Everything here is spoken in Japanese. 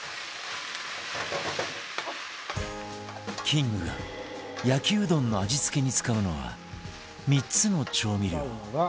キングが焼きうどんの味付けに使うのは３つの調味料